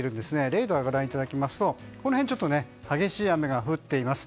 レーダーご覧いただきますとこの辺、ちょっと激しい雨が降っています。